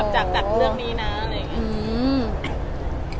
จากเรื่องนี้นะอะไรอย่างนี้